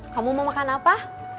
kamu mau makan apa